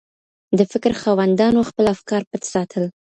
د فکر خاوندانو خپل افکار پټ ساتل.